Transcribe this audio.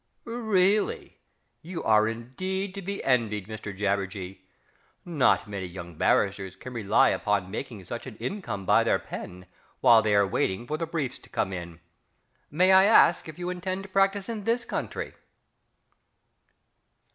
Really? You are indeed to be envied, Mr JABBERJEE! Not many young barristers can rely upon making such an income by their pen while they are waiting for the briefs to come in. May I ask if you intend to practise in this country?...